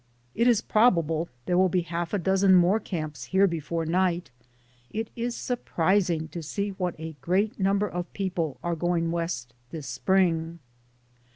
It is probable there will be half a dozen more camps here before night. It is surprising to see what a great number of people are going west this Spring.